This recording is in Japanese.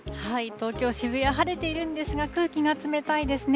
東京・渋谷、晴れているんですが、空気が冷たいですね。